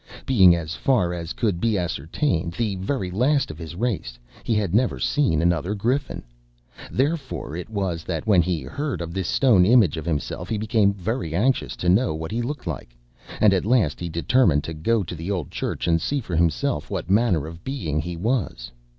Being, as far as could be ascertained, the very last of his race, he had never seen another griffin. Therefore it was, that, when he heard of this stone image of himself, he became very anxious to know what he looked like, and at last he determined to go to the old church, and see for himself what manner of being he was.